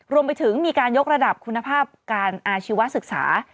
รวมไปถึงมีการยกระดับคุณภาพการอาชีวศึกษา